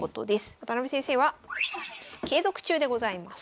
渡辺先生は継続中でございます。